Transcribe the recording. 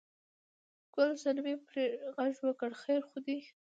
ګل صنمې پرې غږ وکړ: خیر خو دی؟